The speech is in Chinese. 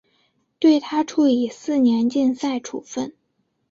对她处以四年禁赛处分。